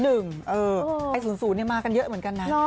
๐๕๐๑เออไอ้๐๐มากันเยอะเหมือนกันนะ